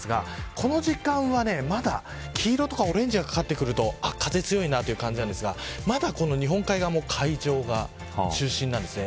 この時間は、まだ黄色とかオレンジとかかってくると風が強いなという感じですがまだ日本海側も海上が中心です。